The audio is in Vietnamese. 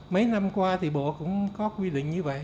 mấy năm qua thì bộ cũng có quy định như vậy